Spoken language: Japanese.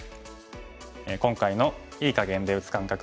今回の“いい”かげんで打つ感覚